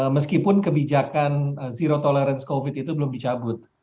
meskipun kebijakan zero tolerance covid itu belum dicabut